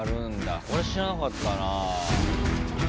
これ知らなかったなあ。